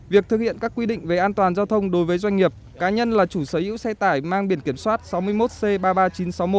việc thực hiện các quy định về an toàn giao thông đối với doanh nghiệp cá nhân là chủ sở hữu xe tải mang biển kiểm soát sáu mươi một c ba mươi ba nghìn chín trăm sáu mươi một